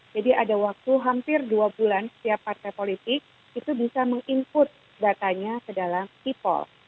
jadi ada waktu hampir dua bulan setiap partai politik itu bisa meng input datanya ke dalam kipol